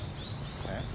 えっ？